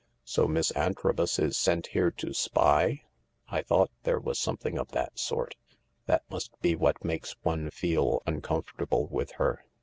" So Miss Antrobus is sent here to spy ? I thought there was something of that sort. That must be what makes one feel uncomfortable with her."